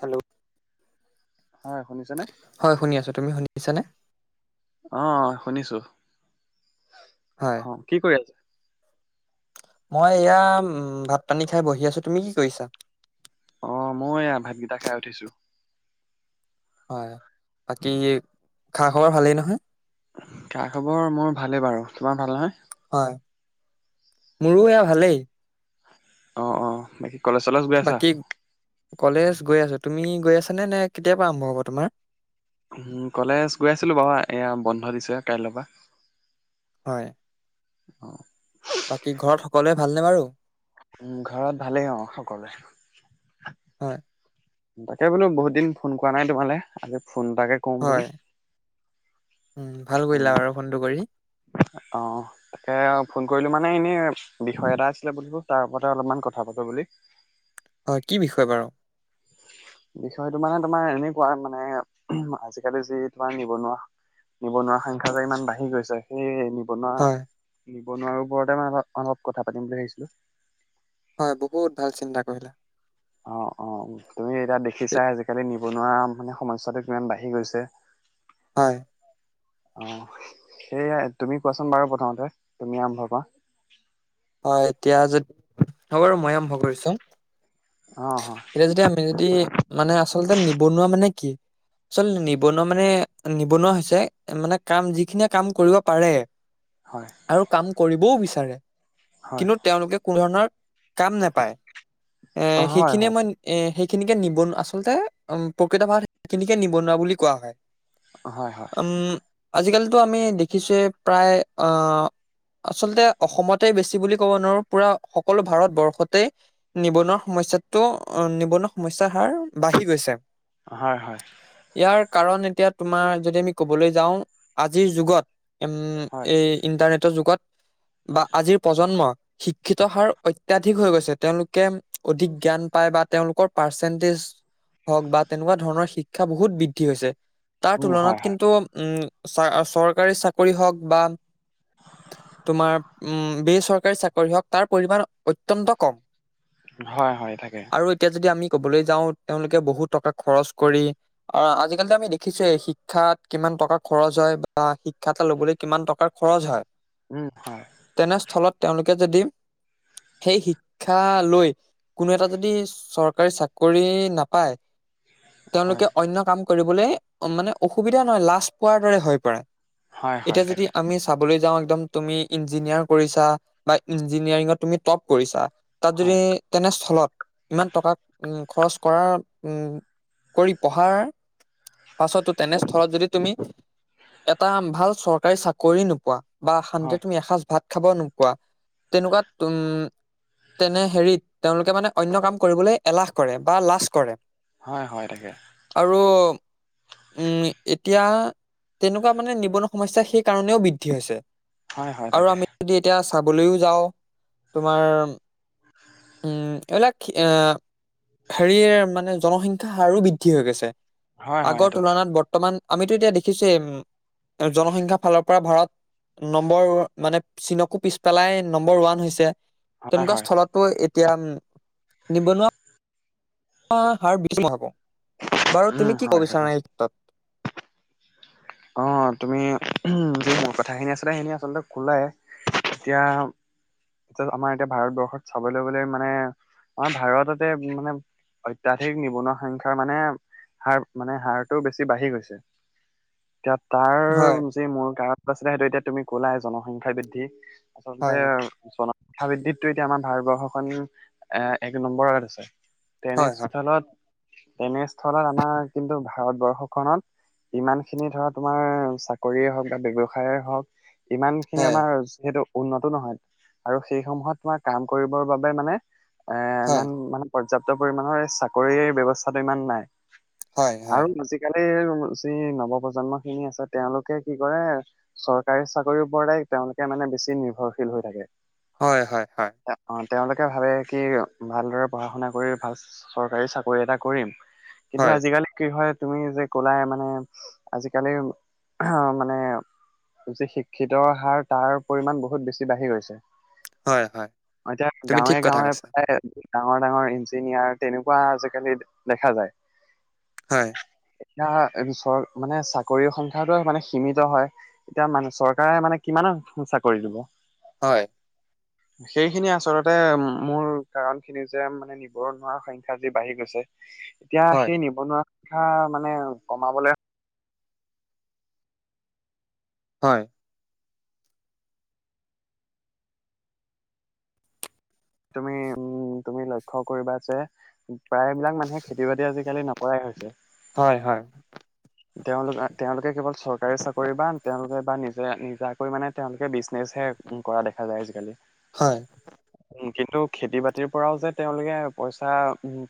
Hello হয় শুনিছেনে? হয় শুনি আছো তুমি শুনি আছানে? অ, শুনিছো হয় অ' কি কৰি আছে? মই এয়া উ ভাত পানী খাই বহি আছো। তুমি কি কৰিছা? অ' মই এয়া ভাতকেইটা খাই উঠিছো। হয় বাকী খা খাব ভালেই নহয়? খা খবৰ মোৰ ভালে বাৰু। তোমাৰ ভাল নহয়? হয়, মোৰো এয়া ভালেই। অ-অ বাকী কলেজ চলেজ গৈ আছা? বাকী কলেজ গৈ আছো তুমি গৈ আছানে নে কেতিয়াৰ পৰাা আৰম্ভ হব তোমাৰ? কলেজ গৈ আছিলো বাৰু এয়া বন্ধ দিছে কাইলৈৰ পৰা। হয়। অ, বাকী ঘৰত সকলোৱে ভালনে বাৰু? উম, ঘৰত ভালেই অ' সকলোৱে। হয় তাকে বোলো বহুত দিন ফোন কৰা নাই তোমালে আজি ফোনটাকে কওঁ বোলো। হয় উম ভাল কৰিলা বাৰু ফোনটো কৰি অ, তাকে ফোন কৰিলো মান মানে এনেই বিষয় এটা আছিলে বুধবো তাৰ ওপৰতে অলপমান কথা পাতো বুলি। হয় কি বিষয় বাৰু? বিষয়টো মানে তোমাৰ এনেকুৱা মানে আজিকালি যি তোমাৰ নিবনুৱা, নিবনুৱা সংখ্যা যে ইমান বাঢ়ি গৈছে সেই। হয় নিবনুৱা-নিবনুৱাৰ ওপৰতে মই অপ-অলপ কথা পাতিম বুলি ভাবিছিলো। হয় বহুত ভাল চিন্তা কৰিলা। অ', অ' তুমি এতিয়া দেখিছা আজিকালি নিবনুৱা মানে সমস্যাটো কিমান বাঢ়ি গৈছে। হয়, অ' সেইয়া তুমি কোৱাচোন বাৰু প্ৰথমতে তুমি আৰম্ভ কৰা। হয় এতিয়া যদি হ'ব বাৰু মই আৰম্ভ কৰিছো। অ', হয়, এতিয়া যদি আমি যদি মানে আচলতে নিবনুৱা মানে কি? উ [inaudible] আচলতে নিবনুৱা মানে নিবনুৱা হৈছে মানে কাম যিখিনিয়ে কাম কৰিব পাৰে। হয়। আৰু কাম কৰিবও বিচাৰে হয়, কিন্তু তেওঁলোকে কোনো ধৰণৰ কাম নাপায় এ অ', হয়, সেইখিনিয়ে হয়, মই এ সেই সেইখিনিকে নিবনা আচলতে উম, প্ৰকৃত ভাৰত সেইখিনিকে নিবনুৱা বুলি কোৱা হয়। হয়-হয়। উম আজিকালিতো আমি দেখিছোঁৱে প্ৰায় আচলতে অসমত, বেছি বুলি ক'ব নোৱাৰো, পুৰা সকলো ভাৰত বৰ্ষতেই নিবনুৱা সমস্যাত তো নিবনুৱা সমস্যাৰ হাৰ বাঢ়ি গৈছে। হয়-হয়। ইয়াৰ কাৰণ এতিয়া তোমাৰ যদি আমি কবলৈ যাওঁ আজিৰ যুগত উম, হয়, এই ইন্টাৰনেটৰ যুগত বা আজিৰ প্ৰজন্ম শিক্ষিত হাৰ অত্যাধিক হৈ গৈছে তেওঁলোকে অধিক জ্ঞান পায় বা তেওঁলোকে, পাৰ্চেনতেজ হক বা‌ তেনেকুৱ ধৰনৰ শিক্ষা বহুত বৃদ্ধি হৈছে। তাৰ উম, তুলনাত হয়, হয়। কিন্তু উম, চ চৰকাৰী চাকৰি হওক বা তোমাৰ উম, বেচৰকাৰী চাকৰি হওক তাৰ পৰিমাণ অত্যন্ত কম। হয়-হয় থাকে। আৰু এতিয়া যদি আমি কবলৈ যাওঁ তেওঁলোকে বহুত টকা খৰচ কৰি আৰু আজিকালিতো আমি দেখিছে শিক্ষাত কিমান, কিমান টকা খৰচ হয় বা শিক্ষা এটা লবলৈ কিমান টকাৰ খৰচ হয়। উম হয় তেনেস্থলত তেওঁলোকে যদি সেই শিক্ষা লৈ কোনো এটা যদি চৰকাৰী চাকৰি নাপায় হয়, তেওঁলোকে অন্য কাম কৰিবলৈ মানে অসুবিধা নহয় লাজ পোৱাৰ দৰে হৈ পৰে হয়, হয়, এতিয়া যদি থাকে আমি চাবলৈ যাওঁ একদম তুমি ইঞ্জিনিয়াৰ কৰিছা বা ইঞ্জিনিয়াৰিঙত তুমি টপ কৰিছা। তাত যদি হয়, তেনেস্থলত ইমান টকা উম খৰচ কৰাৰ উম কৰি পঢ়াৰ পাছতো তেনেস্থলত যদি তুমি এটা ভাল চৰকাৰী চাকৰি নোপোৱা বা শান্তিতে হয়। তুমি এসাঁজ ভাত খাব নোকোৱা তেনেকুৱাত উম তেনে হেৰিত তেওঁলোকে মানে অন্য কাম কৰিবলৈ এলাহ কৰে বা লাজ কৰে। হয় -হয় তাকে, আৰু উম এতিয়া তেনেকুৱা মানে নিবনুৱা সমস্যা সেই কাৰণেও বৃদ্ধি হৈছে। হয়-হয় আৰু তাকে আমি যদি এতিয়া চাবলৈও যাওঁ তোমাৰ উম এইবিলাক হেৰিয়ে মানে জনসংখ্যা হাৰো বৃদ্ধি হৈ গৈছে হয়, হয়, আগৰ সেইটো তুলনাত বৰ্তমান আমিতো এতিয়া দেখিছোৱে, উম জনসংখ্যা ফালৰ পৰা ভাৰত নম্বৰ মানে চীনকো পিছ পেলাই নম্বৰ ওৱান হৈছে হয়, তেনেকুৱা হয়, স্থলতো এতিয়া উম নিবনুৱা আ হাৰ [unintelligible] হব বাৰু উম, তুমি কি হয়, ক'ব সেইটো বিচাৰা এই ক্ষেত্ৰত? অ', তুমি যি মূল কথাখিনি আছিলা, সেইখিনি আচলতে কলায় এতিয়া এতিয়া আমাৰ এতিয়া ভাৰতবৰ্ষত চাবলৈ গ'লে মানে আমাৰ ভাৰততে মানে অত্যধিক নিবনুৱা সংখ্যা মানে হাৰ মানে হাৰটো বেছি বাঢ়ি গৈছে। এতিয়া তাৰ হয় যি মূল কাৰণ আছিলে সেইটো এতিয়া তুমি কলাই জনসংখ্যা বৃদ্ধি আচলতে হয় জনসংখ্যা বৃদ্ধিতটো এতিয়া আমাৰ ভাৰতবৰ্ষখন এ এক নম্বৰত আছে। হয় তেনেস্থলত তেনেস্থলত আমাৰ কিন্তু ভাৰতবৰ্ষখনত ইমান খিনি ধৰা তোমাৰ চাকৰিয়ে হওক বা ব্যৱসায়ে হওক ইমানখিনি হয় আমাৰ যিহেতু উন্নত নহয় আৰু সেই সময়ত তোমাৰ কাম কৰিবৰ বাবে মানে এ হয় ইমান মানে পৰ্যাপ্ত পৰিমাণৰ চাকৰিৰ ব্যৱস্থাটো ইমান নাই হয় আৰু হয় [unintelligible] প্ৰজন্ম খিনি আছে তেওঁলোকে কি কৰে চৰকাৰী চাকৰিৰ ওপৰতে তেওঁলোকে মানে বেছি নিৰ্ভৰশীল হৈ থাকে হয় -হয় -হয়। তে- অ তেওঁলোকে ভাবে কি ভালদৰে পঢ়া শুনা কৰি ভাল চৰকাৰী চাকৰি এটা কৰিম কিন্তু হয় আজিকালি কি হয় তুমি যে কলাই মানে আজিকালি মানে যি শিক্ষিত হাৰ তাৰ পৰিমান বহুত বেছি বাঢ়ি গৈছে হয় হয় এতিয়া তুমি ঠিক গাঁৱে কথা -গাঁৱে কৈছা প্ৰায় ডাঙৰ- ডাঙৰ ইঞ্জিনিয়াৰ তেনেকুৱা আজিকালি দেখা যায় হয়। এয়া চৰ মানে চাকৰি সংখ্যাটো মানে সীমিত হয় এতিয়া মানে চৰকাৰে মানে কিমান চাকৰি দিব হয় সেইখিনি আচলতে মোৰ কাৰণ খিনি যে মানে নিবনুৱাৰ সংখ্যা যি বাঢ়ি গৈছে এতিয়া হয় সেই নিবনুৱা কথা মানে কমাবলে হয় তুমি উম তুমি লক্ষ্য কৰিবা যে প্ৰায়বিলাক মানুহে খেতি বাতি আজিকালি নকৰাই হৈছে হয় হয় তেওঁলোকে তেওঁলোকে কেৱল চৰকাৰী চাকৰি বা তেওঁলোকে বা নিজে নিজাকৈ মানে তেওঁলোকে বিজনেচ হে উ কৰা দেখা যায় আজিকালি হয় কিন্তু খেতি বাতিৰ পৰাও যে তেওঁলোকে পইচা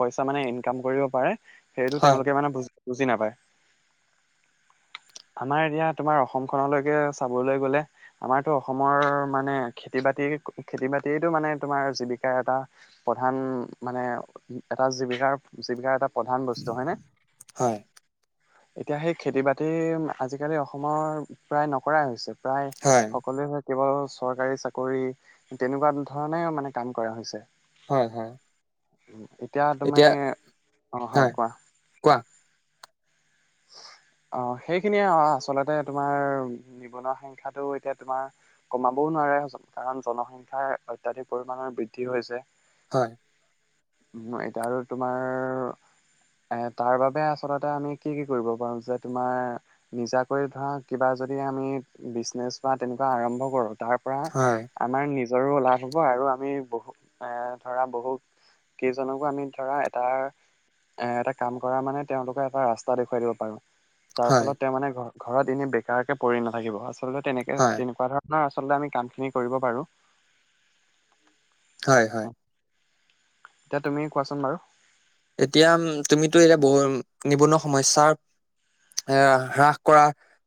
পইচা মানে ইনকাম কৰিব পাৰে সেইটো হয় হয় তেওঁলোকে মানে বুজ বুজি নাপায় আমাৰ এতিয়া তোমাৰ অসমখনলৈকে চাবলৈ গলে আমাৰতো অসমৰ মানে খেতি বাতি খেতি খেতি বাতিটো মানে তোমাৰ জীৱিকাৰ এটা প্ৰধান মানে এটা জীৱিকাৰ জীৱিকাৰ এটা প্ৰধান বস্তু হয়নে হয় এতিয়া সেই খেতি বাতি আজিকালি অসমৰ প্ৰায় নকৰাই হৈছে প্ৰায় সকলোৱে কেৱল চৰকাৰী চাকৰি তেনেকুৱা ধৰণ মানে কাম কৰা হৈছে হয় হয় এতিয়া তুমে অ হয় কোৱা কোৱা অ অ সেইখিনিয়ে আচলতে তোমাৰ নিবনুৱা সংখ্যাটো এতিয়া তোমাৰ কমাবও নোৱাৰে কাৰণ জনসংখ্যাৰ অত্যাধিক পৰিমমানৰ বৃদ্ধি হৈছে হয় উ এতিয়া আৰু তোমাৰ এ তাৰ বাবে আচলতে আমি কি কি কৰিব পাৰো যে তোমাৰ নিজাকৈ ধৰা কিবা যদি আমি বিজনেছ বা তেনেকুৱা আৰম্ভ কৰো তাৰ পৰা হয় আমাৰ নিজ জৰো লাভ হ'ব আৰু আমি বহু এ ধৰা বহুত কেইজনকো আমি ধৰা এটা এ এটা কাম কৰা মানে তেওঁলোকৰ এটা ৰাস্তা তা দেখুৱাই দিব পাৰো যাৰ হয় ফলত তেওঁ মানে ঘ ঘৰত এনে বেকাৰকে পৰি নাথাকিব হয় তেনেকুৱা ধৰণৰ আচল আমি কামখিনি কৰিব পাৰো হয় হয় এতিয়া তুমি কোৱাচোন বাৰু এতিয়া তুমিতো এতিয়া বহু নিবনুৱা সমস্যাৰ এ হ্ৰাস কৰা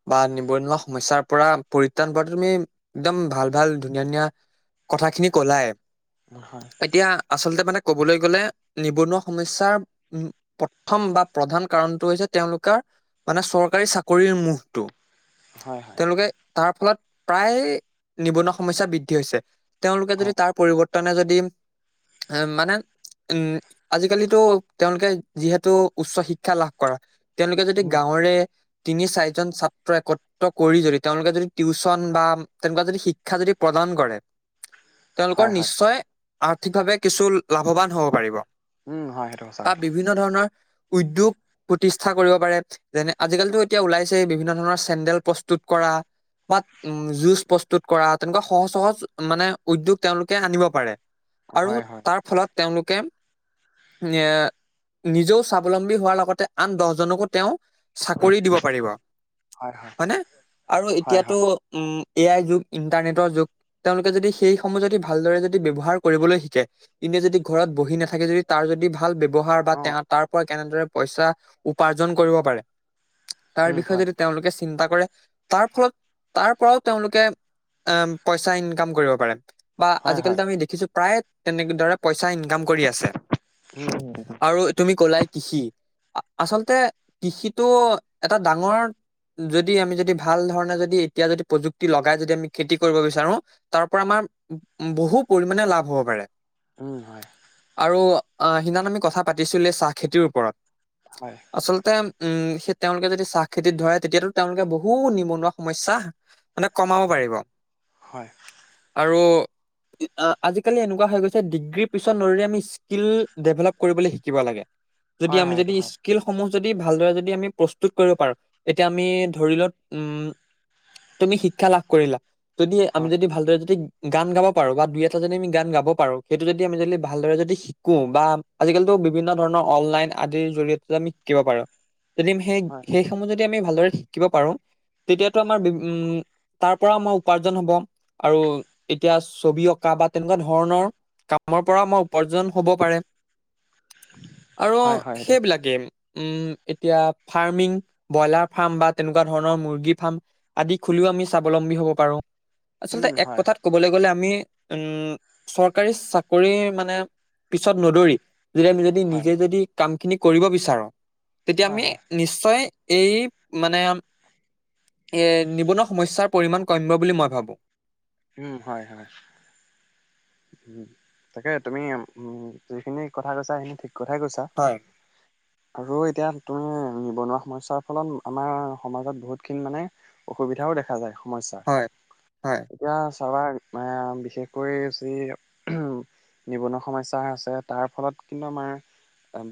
বা নিবনুৱা সমস্যাৰ পৰা পৰিত্ৰাণ কৰাটো তুমি একদম ভাল ভাল ধুনীয়া ধুনীয়া কথা খিনি কলাই হয় এতিয়া আচলতে মানে কবলৈ গ'লে নিবনুৱা সমস্যাৰ উ প্ৰথম বা প্ৰধান কাৰণটো হৈছে তেওঁলোকৰ মানে চৰকাৰী চাকৰিৰ মুখটো হয় হয় তাৰ ফলত প্ৰায় নিবনুৱা সমস্যা বৃদ্ধি হৈছে তেওঁলোকে যদি হয় তাৰ পৰিৱৰ্তন যদি মানে উম আজিকালিতো তেওঁলোকে যিহেতু উচ্চ শিক্ষা লাভ কৰা তেওঁলোকে যদি উম গাঁৱৰে তিনি চাৰিজন ছাত্ৰ একত্ৰ কৰি যদি তেওঁলোকে যদি টিউচন বা তেলোকা যদি শিক্ষা যদি প্ৰদান ন কৰে [unintelligible] তেওঁলোকৰ হয় হয় নিশ্চয় আৰ্থিকভাৱে কিছু লাভৱান হব পাৰিব উম হয় সেইটো বা সঁচা কথা বিভিন্ন ধৰণৰ উদ্যোগ প্ৰতিষ্ঠা কৰিব পাৰে যেনে আজিকালিতো এতিয়া ওলাইছে বিভিন্ন ধৰণৰ চেণ্ডেল প্ৰস্তুত কৰা তাত উ যুজ প্ৰস্তুত কৰা তেনেকুৱা সহজ সহজ মানে উদ্যোগ তেওঁলোকে আনিব পাৰে আৰু হয় হয় তাৰ ফলত তেওঁলোকে এ নিজেও স্বাৱলম্বী হোৱাৰ লগতে আন দহজনকো তেওঁ চাকৰি দিব পাৰিব হয় হয় হয়নে আৰু হয় এতিয়াতো হয় উম এ আই যুগ ইণ্টাৰনেটৰ যুগ তেওঁলোকে যদি সেইসমূহ যদি ভালদৰে যদি ব্যৱহাৰ কৰিবলৈ শিকে যদি ঘৰত বহি নাথাকে যদি তাৰ যদি ভাল ব্য্ৱহাৰ বা অ তে তাৰ পৰা কেনেদৰে পইচা উপাৰ্জন কৰিব পাৰে তাৰ উম বিষয়ে হয় যদি তেওঁলোকে চিন্তা কৰে তাৰ ফলত তাৰ পৰাও তেওঁলোকে অ পইচা ইনকাম কৰিব পাৰে বা হয় হয় আজিকালিিতো আমি দেখিছো প্ৰায়ে তেনেদৰে পইচা ইনকাম কৰি আছে উম আৰু তুমি কলাই কৃষি আচলতে কৃষিটো এটা ডাঙৰ যদি আমি যদি ভাল ধৰণে যদি এতিয়া যদি প্ৰযুক্তি লগাই যদি আমি খেতি কৰিব বিচাৰো তাৰ পৰা আমাৰ বহু পৰিমণে লাভ হ'ব পাৰে উ হয় আৰু সিদিনা আমি কথা পাতিছিলোে চাহ খেতিৰ ওপৰত হয় আচলতে উম সেই তেওঁলোকে যদি চাহ খেতিত ধৰে তেতিয়াতো তেওঁলোকে বহু নিবনুৱা সমস্যা মানে কমাব পাৰি কৰিবিব হয় আৰু আজিকালি এনেকুৱা হৈ গৈছে ডিগ্ৰীীৰ পিছত নৰিৰি আমি স্কিল ডেভেলপ কৰিবলৈ শিকিব লাগে যদি হয় আমি হয় যদি সেইটো হয় স্কিলসম ভাল য আ প্ৰসু পাৰো এতিয়া আমি ধ উ তুমি শিক্ষা লাভ কৰিলা যদি আমি হয় যদি ভালদৰে যদি গান গাব পাৰো বা দুই এটা যী আমি গান গাব পাৰো সেইটো যদি আমি যদি ভালদৰে যদি শিকো বা আজিকালিিতো বিভিন্ন ধৰণৰ অনলাইন আদিৰ জৰিয়তে আমি শিকিব পাৰো যদিমি সেই হয় সেইসমূহ যদি আমি ভালদৰে শিকিব পাৰো তেতিয়াতো আমাৰ উম তাৰ পৰা আমাৰ উপাৰ্জন হব আৰু এতিয়া ছবি অঁকা বা তেনেকুৱা ধৰণৰ কামৰ পৰা মাৰ উপাৰ্জন হ'ব পাৰে আৰু হয় হয় সেইটো সেইবিলাকেই উম এতিয়া ফাৰ্মিং ব্ৰইলাৰ ফাৰ্ম বা তেনেকুৱা ধৰণৰ মুৰ্গী ফাৰ্ম আদি খুলা স্বলম্ব হ প আচ উম ক হয় কব গলে আমি উম চৰকাৰী চাকৰি মানে পিছত নদৰি যদি আমি যদি হয় নিজে যদি কাম খিনি কৰিব বিচাৰো তেতিয়া হয় আমি হয় নিশ্চয় এই মানে এ নিবনুৱা সমস্যাৰ পৰিমাণ কম্য বুলি মই ভাবোঁ হয় হয় উ তাকে তুমি উ যিখিনি কথা কৈছা সেইখিনি ঠিক কথাই কৈছা হয় আৰু এতিয়া তুমি নিবনুৱা সমস্যাৰ ফলত আমাৰ সমাজত বহুতখিনি মানে অসুবিধাও দেখা যায় সমস্যাৰ। হয় হয় এতিয়া চাবা বিশেষকৈ যি উম নিবনুৱা সমস্া আছে তাৰ ফলত কিন্তু আমাৰ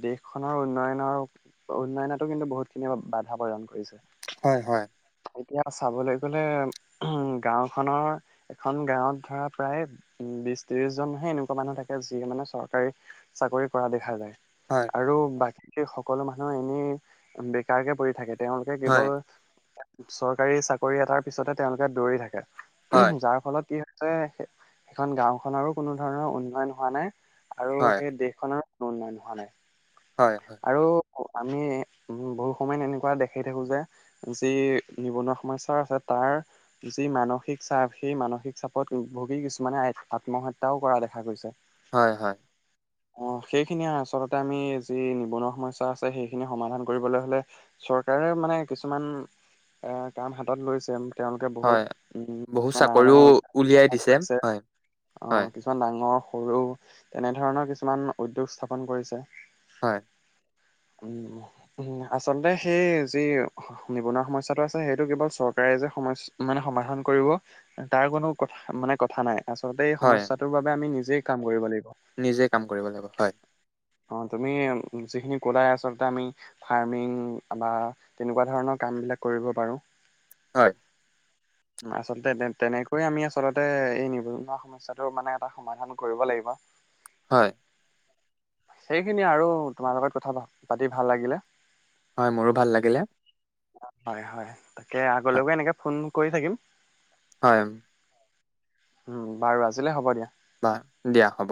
দেশখনৰ উন্নয়নৰ উন্নয়নতো কিন্তু বহুতখিনি বাধা প্ৰদান কৰিছে হয় হয় এতিয়া চাবলৈ গলে উম গাও খনৰ এখন গাঁৱত ধৰা প্ৰায় উ বিশ ত্ৰিশজনহে এনেকুৱা মানুহ থাকে যিয় মানে চৰকাৰী চাকৰি কৰা দেখা যায় হয় আৰু বাকী সকলো মানুহ এনেই বেকাৰকে পৰি থাকে তেওঁলোকে হয় কেৱল চৰকাৰী চাকৰি এটাৰ পিছতে তেওঁলোকে দৌৰি থাকে হয় যাৰ ফলত কি হৈছে সেইখন গাওখননৰো কোনো ধৰণৰ উন্নয়ন হোৱা নাই আৰু হয় সেই দেশখনৰ কোনো উন্নয়ন হোৱা নাই হয় হয় আৰু আমি উ বহু সময়ত এনেকুৱা দেখাই থাকো যে যি নিবনুৱা সমস্াৰ আছে তাৰ যি মানসিক চাপ সেই মানসিক চাপত ভুগি কিছুমানে আত্মহত্যাও কৰা দেখা গৈছে হয় হয় অ', সেইখিনি আচলতে আমি যি নিবনুৱা সমস্যা আছে সেইখিনি সমাধান কৰিবলৈ হ'লে চৰকাৰে মানে কিছুমান এ, কাম হাতত লৈছে। তেওঁলোকে বহুত হয়, উম বহুত ডাঙৰ চাকৰিও ডাঙৰ উদ্যোগ স্থাপন উলিয়াই দিছে কৰিছে হয়। অ', হয়, কিছুমান ডাঙৰ, সৰু তেনেধৰণৰ কিছুমান উদ্যোগ স্থাপন কৰিছে। হয়। উম, হম, আচলতে সেই যি নিবনুৱা সমস্যাটো আছ সেইটো কেৱল চৰকাৰে যে, সমচ-মানে সমাধান কৰিব তাৰ কোনো কথা মানে কথা নাই। আচলতে এই হয়, সমস্যাটোৰ বাবে আমি নিজেই কাম কৰিব লাগি নিজে কাম কৰিব লাগিব, হয়। অ', তুমি যিখিনি ক'লাই আচলতে আমি ফাৰ্মিং বা তেনেকুৱা ধৰণৰ কা কামবিলাক কৰিব পাৰোঁ। হয়। আচলতে তে-তেনেকৈয়ে আমি আচলতে এই নিবনুৱা সমস্যাটোৰ মানে এটা সমাধান কৰিব লাগিব। হয়। সেইখিনিয়ে আৰু তোমাৰ লগত কথা পাতি ভাল লাগিলে হয় মোৰো ভাল লাগিলে। হয় হয় তাকে হয়, আগলৈকে এনেকে ফোন কৰি থাকিম। হয় এ উম বাৰু আজিলে হ'ব দিয়া। বা দিয়া হব।